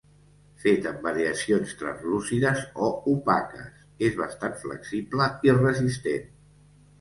Fet amb variacions translúcides o opaques, és bastant flexible i resistent.